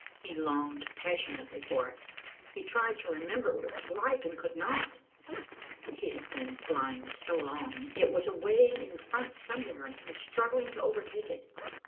He longed passion ately for it. He tried to remember what it was like, and could not ; he had been blind so long. It was away in front somewhere, and he was struggling to overtake it.